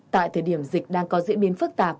tại thời điểm dịch đang có diễn biến phức tạp